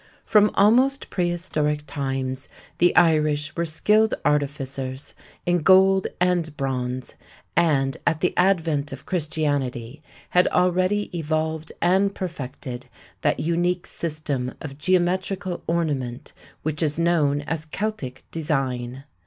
From almost prehistoric times the Irish were skilled artificers in gold and bronze, and, at the advent of Christianity, had already evolved and perfected that unique system of geometrical ornament which is known as Celtic design.